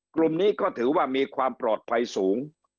กลุ่มนี้ก็ถือว่ามีความปลอดภัยสูง